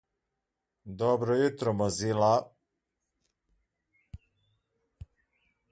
It was being uploaded on to Spotify and other platforms under many different names.